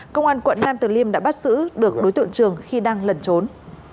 công an quận nam từ liêm đã bắt giữ được đối tượng trường khi đang lẩn trốn